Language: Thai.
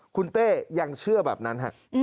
คุณเต้ยังเชื่อแบบนั้นฮะ